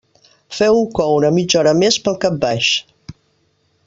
Feu-ho coure mitja hora més, pel cap baix.